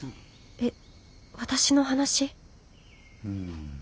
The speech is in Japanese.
え私の話？